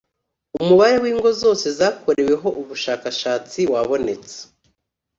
umubare w ingo zose zakoreweho ubushakashatsi wabonetse